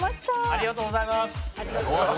ありがとうございます。